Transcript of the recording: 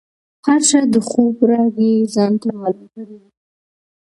هر چا د خوب رګ یې ځانته معلوم کړی وي.